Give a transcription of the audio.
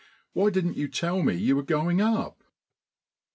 "Why didn't you tell me you were going up?"